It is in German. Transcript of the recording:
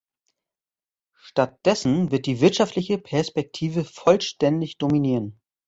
Statt dessen wird die wirtschaftliche Perspektive vollständig dominieren.